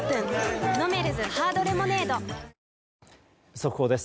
速報です。